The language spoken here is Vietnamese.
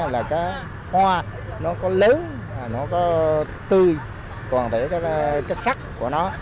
nó có hoa nó có lớn nó có tươi còn phải có sắc của nó